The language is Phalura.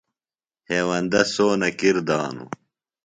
ہیوندہ سونہ کِر دانوۡ۔